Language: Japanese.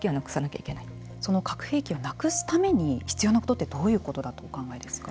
だから核兵器をなくすために必要なことってどういうことだとお考えですか。